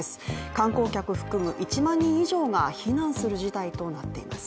観光客含む１万人以上が避難する事態となっています。